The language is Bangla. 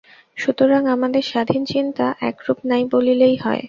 সুতরাং আমাদের স্বাধীন চিন্তা একরূপ নাই বলিলেই হয়।